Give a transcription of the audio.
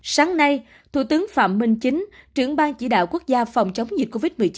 sáng nay thủ tướng phạm minh chính trưởng ban chỉ đạo quốc gia phòng chống dịch covid một mươi chín